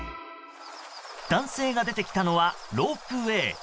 男性が出てきたのはロープウェー。